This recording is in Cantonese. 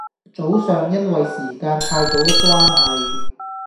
早上因為時間太早的關係